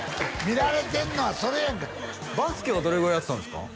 見られてんのはそれやんかバスケはどれぐらいやってたんですか？